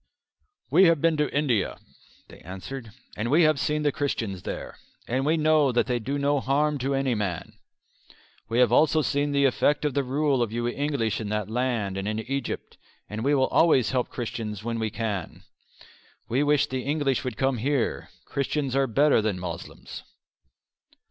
"We have been to India," they answered, "and we have seen the Christians there, and we know that they do no harm to any man. We have also seen the effect of the rule of you English in that land and in Egypt, and we will always help Christians when we can. We wish the English would come here; Christians are better than Moslems."